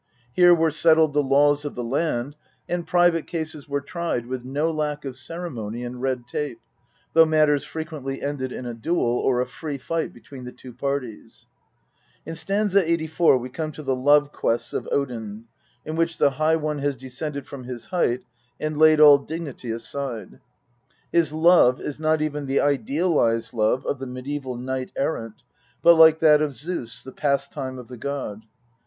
Here were settled the laws of the land, and private cases were tried with no lack of ceremony and red tape, though matters frequently ended in a duel or a free fight between the two parties. In st. 8.4 we come to the love quests of Odin, in which the High One has descended from his height, and laid all dignity aside. His love is not even the idealised love of the mediaeval knight errant, but like that of Zeus, the pastime of the god.